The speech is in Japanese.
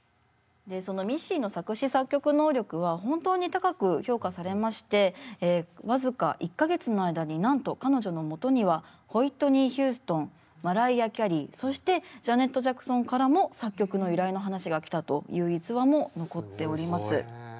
でそのミッシーの作詞作曲能力は本当に高く評価されまして僅か１か月の間になんと彼女のもとにはホイットニー・ヒューストンマライア・キャリーそしてジャネット・ジャクソンからも作曲の依頼の話が来たという逸話も残っております。